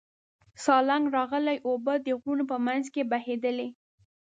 سالنګ راغلې اوبه د غرونو په منځ کې بهېدلې.